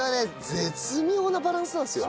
絶妙なバランスなんですよ。